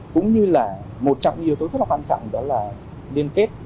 cũng như là một trong những yếu tố rất là quan trọng đó là liên kết